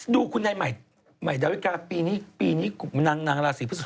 ดูคุณไหนบ่ปีนี้หนางระสิทธิพฤษแสดง